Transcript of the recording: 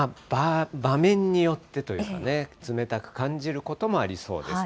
場面によってというかね、冷たく感じることもありそうです。